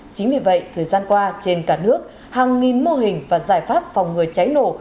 chính vì vậy thời gian qua trên cả nước hàng nghìn mô hình và giải pháp phòng ngừa cháy nổ